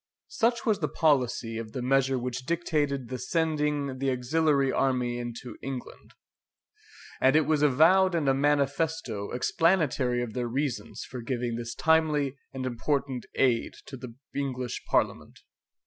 Such was the policy of the measure which dictated the sending the auxiliary army into England; and it was avowed in a manifesto explanatory of their reasons for giving this timely and important aid to the English Parliament.